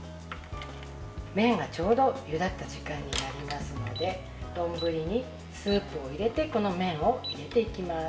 麺は、ちょうどゆだった時間になりますのでどんぶりにスープを入れてこの麺を入れていきます。